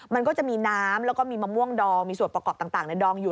มันก็จะมีน้ำแล้วก็มีมะม่วงดองมีส่วนประกอบต่างในดองอยู่